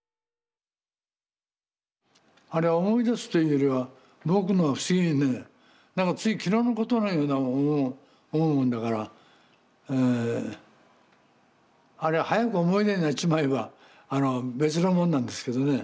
あれは思い出すというよりは僕も不思議でねなんかつい昨日のことのように思うもんだからあれは早く思い出になっちまえば別のもんなんですけどね